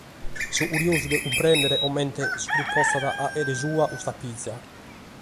So curiosu de cumprèndere comente Soru potzat «fàghere sua» custa pìgia.